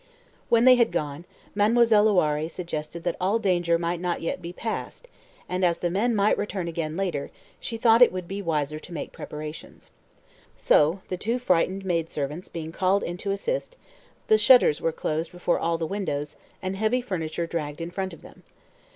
When they had gone, Mademoiselle Loiré suggested that all danger might not yet be past, and, as the men might return again later, she thought it would be wiser to make preparations. So the two frightened maid servants being called in to assist, the shutters were closed before all the windows, and heavy furniture dragged in front of them.